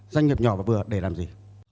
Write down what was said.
doanh nghiệp nhỏ và vừa để làm gì